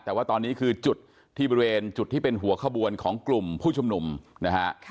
แต่ว่าตอนนี้คือจุดที่บริเวณจุดที่เป็นหัวขบวนของกลุ่มผู้ชุมนุมนะฮะ